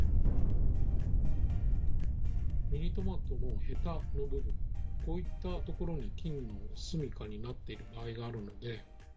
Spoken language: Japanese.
ミニトマトのへたの部分、こういった所に菌の住みかになっている場合があるので。